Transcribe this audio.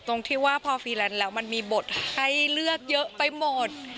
ตรงที่ว่าพอฟรีแลนซ์แล้วมันมีบทให้เลือกเยอะไปหมด